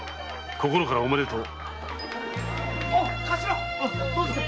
心からおめでとう。